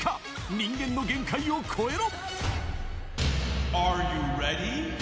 人間の限界を超えろ。